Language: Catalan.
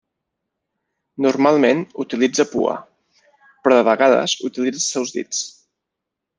Normalment utilitza pua, però de vegades utilitza els seus dits.